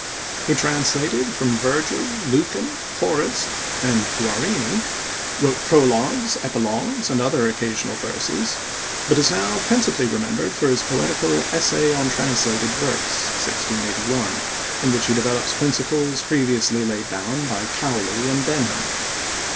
He translated from Virgil, Lucan, Horace, and Guarini; wrote prologues, epilogues, and other occasional verses; but is now principally remembered for his poetical Essay on Translated Verse (1681), in which he develops principles previously laid down by Cowley and Denham.